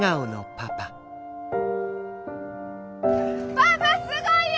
パパすごいよ！